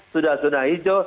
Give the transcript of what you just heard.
sudah sunah hijau